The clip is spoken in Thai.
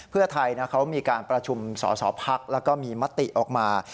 เพื่อไทยเขามีการประชุมสอสอพักแล้วก็มีมติออกมา